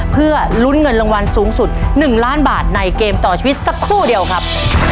เพื่อลุ้นเงินรางวัลสูงสุด๑ล้านบาทในเกมต่อชีวิตสักครู่เดียวครับ